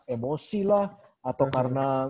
emosi lah atau karena